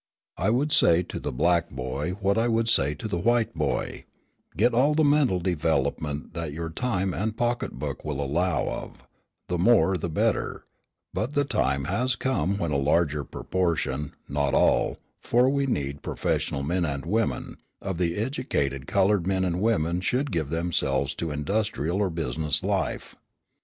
I would say to the black boy what I would say to the white boy, Get all the mental development that your time and pocket book will allow of, the more, the better; but the time has come when a larger proportion not all, for we need professional men and women of the educated coloured men and women should give themselves to industrial or business life.